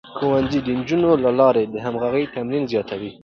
ښوونځی د نجونو له لارې د همغږۍ تمرين زياتوي.